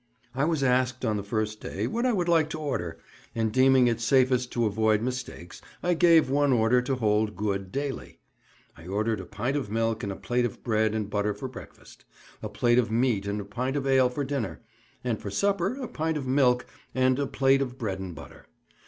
I was asked on the first day what I would like to order, and deeming it safest to avoid mistakes I gave one order to hold good daily. I ordered a pint of milk and a plate of bread and butter for breakfast; a plate of meat and a pint of ale for dinner; and for supper a pint of milk and a plate of bread and butter.